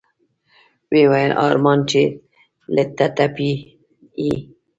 ويې ويل ارمان چې ته ټپي يې.